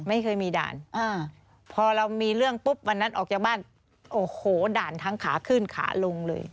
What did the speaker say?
ไม่เคยมีด่านอ่าพอเรามีเรื่องปุ๊บวันนั้นออกจากบ้านโอ้โหด่านทั้งขาขึ้นขาลงเลย